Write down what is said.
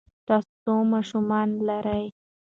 تاسو څو ماشومان لرئ؟